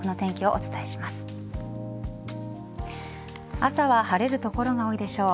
朝は晴れる所が多いでしょう。